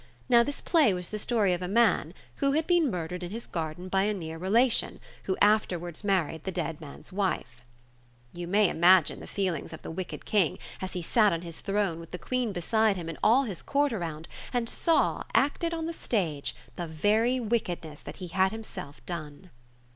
Now, this play was the story of a man who had been murdered in his garden by a near relation, who afterwards married the dead man's wife. You may imagine the feelings of the wicked King, as he' sat on his throne, with the Queen beside him and all his Court around, and saw, acted on the stage, the very wickedness that he had himself done.